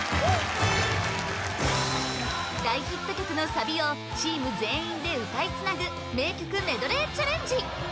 大ヒット曲のサビをチーム全員で歌いつなぐ名曲メドレーチャレンジ！